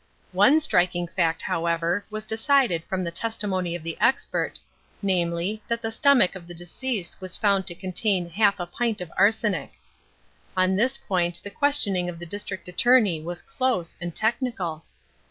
One striking fact, however, was decided from the testimony of the expert, namely, that the stomach of the deceased was found to contain half a pint of arsenic. On this point the questioning of the district attorney was close and technical.